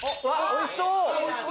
おいしそう！